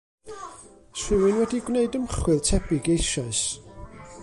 'S rhywun wedi gwneud ymchwil tebyg eisoes?